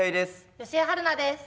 吉江晴菜です。